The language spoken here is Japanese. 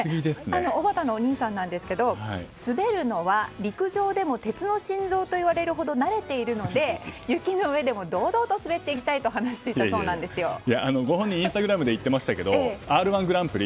おばたのお兄さんなんですけど滑るのは陸上でも鉄の心臓といわれるほど慣れているので、雪の上でも堂々と滑っていきたいとご本人インスタグラムで言ってましたけど「Ｒ‐１ぐらんぷり」